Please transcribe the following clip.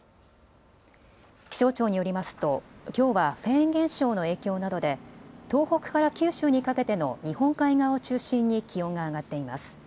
気象庁によりますと、きょうはフェーン現象の影響などで東北から九州にかけての日本海側を中心に気温が上がっています。